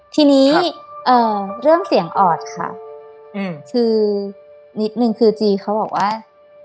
ทีนี้เรื่องเสียงออดค่ะคือนิดนึงคือจีเขาบอกว่า